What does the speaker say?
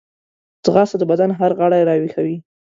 ځغاسته د بدن هر غړی راویښوي